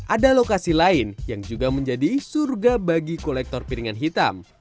ada lokasi lain yang juga menjadi surga bagi kolektor piringan hitam